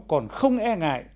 còn không e ngại